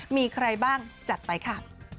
มีใครบ้างจัดไปค่ะ